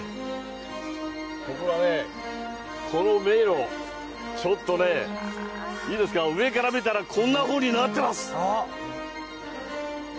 ここはね、この迷路、ちょっとね、いいですか、上から見たらこんなふうになってます。